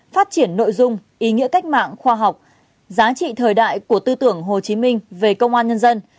phát triển nội dung ý nghĩa cách mạng khoa học giá trị thời đại của tư tưởng hồ chí minh về công an nhân dân